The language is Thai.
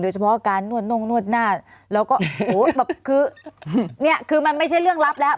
เฉพาะการนวดน่งนวดหน้าแล้วก็โหแบบคือเนี่ยคือมันไม่ใช่เรื่องลับแล้ว